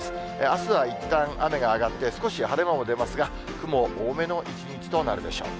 あすはいったん雨が上がって、少し晴れ間も出ますが、雲多めの一日となるでしょう。